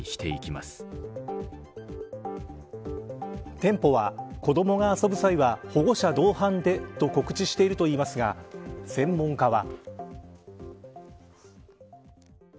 店舗は、子どもが遊ぶ際は保護者同伴でと告知しているといいますが専門家は。